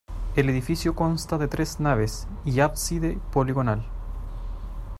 El edificio consta de tres naves y ábside poligonal.